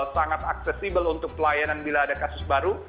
sangat aksesibel untuk pelayanan bila ada kasus baru